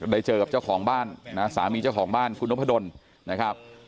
เจอกับเจ้าของบ้านนะสามีเจ้าของบ้านคุณนพดลนะครับ